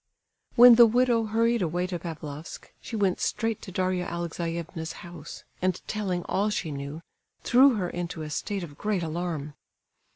When the widow hurried away to Pavlofsk, she went straight to Daria Alexeyevna's house, and telling all she knew, threw her into a state of great alarm.